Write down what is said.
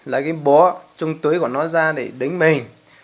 lấy cái bó trong túi của nó ra để đánh mình